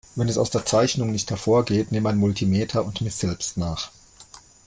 Wenn es aus der Zeichnung nicht hervorgeht, nimm ein Multimeter und miss selbst nach.